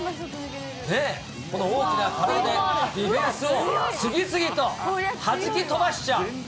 この大きな体でディフェンスを次々とはじき飛ばしちゃう。